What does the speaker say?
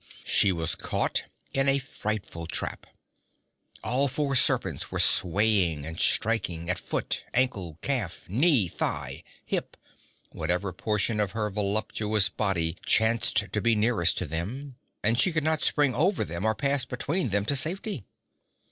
She was caught in a frightful trap. All four serpents were swaying and striking at foot, ankle, calf, knee, thigh, hip, whatever portion of her voluptuous body chanced to be nearest to them, and she could not spring over them or pass between them to safety.